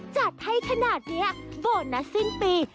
จัดให้ขนาดนี้โบสถนัดสิ้นปี